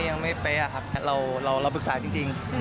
ยังไม่เป๊ะครับเราปรึกษาจริง